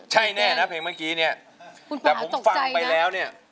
ใช่แน่นะเพลงเมื่อกี้เนี่ยแต่ผมฟังไปแล้วเนี่ย